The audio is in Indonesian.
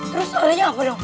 terus adanya apa dong